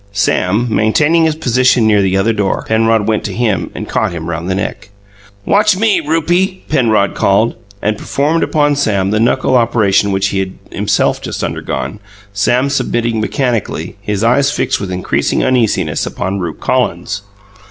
Sam, maintaining his position near the other door, Penrod went to him and caught him round the neck. "Watch me, Rupie!" Penrod called, and performed upon Sam the knuckle operation which he had himself just undergone, Sam submitting mechanically, his eyes fixed with increasing uneasiness upon Rupe Collins.